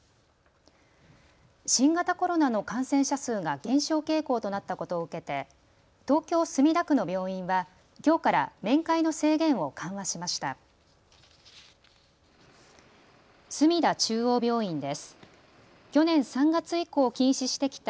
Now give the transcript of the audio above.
新型コロナの感染者数が減少傾向となったことを受けて東京墨田区の病院はきょうから面会の制限を緩和しました。